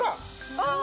あっ！